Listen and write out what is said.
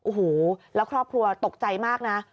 โอ้โหแล้วครอบครัวตกใจมากนะ